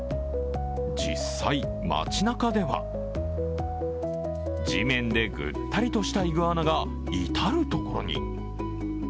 実際、街なかでは、地面でぐったりとしたイグアナが至るところに。